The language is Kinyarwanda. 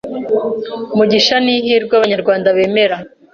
m u gis h a n’ihirwe Abanyarwanda bemera